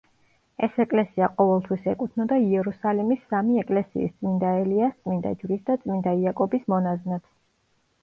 ეს ეკლესია ყოველთვის ეკუთვნოდა იერუსალიმის სამი ეკლესიის—წმინდა ელიას, წმინდა ჯვრის და წმინდა იაკობის—მონაზვნებს.